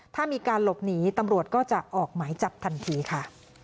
ถ้ามีการหลบหนีตำรวจก็จะออกหมายจับทันทีค่ะ